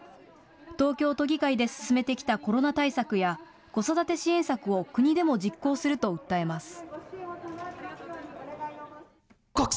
東京都議会で進めてきたコロナ対策や子育て支援策を国でも実行すると訴えます。